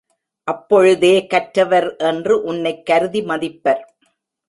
அப்பொழுதே கற்றவர் என்று உன்னைக் கருதி மதிப்பர்.